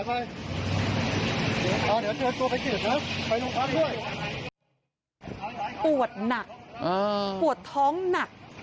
เดี๋ยวเธอตัวไปกินเถอะไปลงการด้วยปวดหนักอ่าปวดท้องหนัก